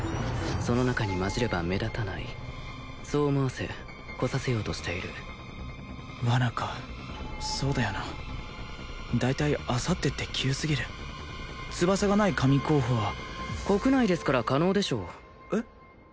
その中にまじれば目立たないそう思わせ来させようとしているワナかそうだよな大体あさってって急すぎる翼がない神候補は国内ですから可能でしょうえっ？